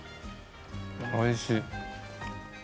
おいしい。